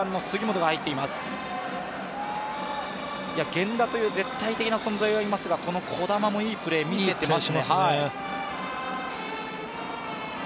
源田という絶対的な存在はいますがこの児玉もいいプレーを見せてくれています。